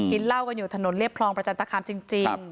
กินเหล้ากันอยู่ถนนเรียบคลองประจันตคามจริง